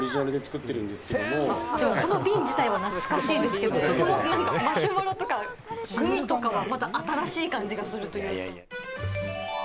瓶自体は懐かしいですけれども、このマシュマロとか、グミとか、新しい感じがする。